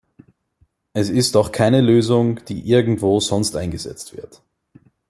Es ist auch keine Lösung, die irgendwo sonst eingesetzt wird.